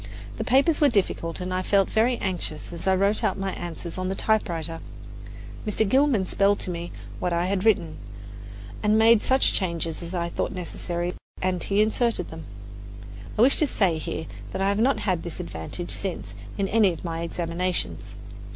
The papers were difficult, and I felt very anxious as I wrote out my answers on the typewriter. Mr. Gilman spelled to me what I had written, and I made such changes as I thought necessary, and he inserted them. I wish to say here that I have not had this advantage since in any of my examinations.